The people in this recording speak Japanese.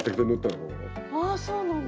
ああそうなんだ。